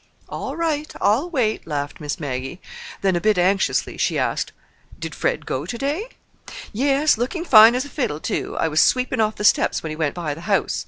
"All right, I'll wait," laughed Miss Maggie. Then, a bit anxiously, she asked: "Did Fred go to day?" "Yes, looking fine as a fiddle, too. I was sweeping off the steps when he went by the house.